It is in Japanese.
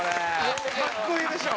かっこいいでしょ。